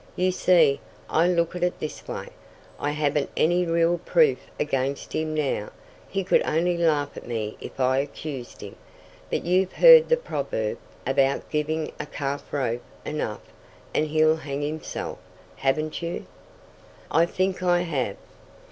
You see, I look at it this way: I haven't any real proof against him now. He could only laugh at me if I accused him. But you've heard the proverb about giving a calf rope enough and he'll hang himself, haven't you?" "I think I have."